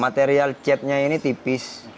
material cetnya ini tipis